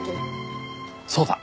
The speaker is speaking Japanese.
そうだ。